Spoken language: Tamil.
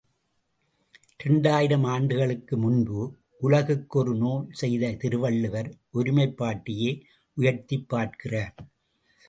இரண்டாயிரம் ஆண்டுகளுக்கு முன்பு உலகுக்கு ஒரு நூல் செய்த திருவள்ளுவர் ஒருமைப் பாட்டையே உயர்த்திப் பார்க்கிறார்.